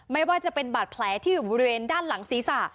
ไม่ว่าจะเป็นบาดแผลที่อยู่บริเวณด้านหลังศีรษะ